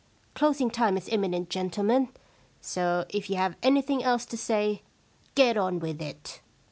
Closing time is imminent, gentlemen. So if you have anything else to say, get on with it.'